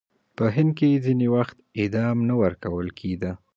په هند کې ځینې وخت اعدام نه ورکول کېده.